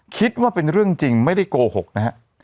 คิดว่าเป็นเรื่องจริงไม่ได้โกหกนะฮะ